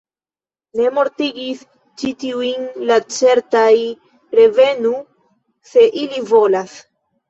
Ni mortigis ĉi tiujn; la ceteraj revenu, se ili volas!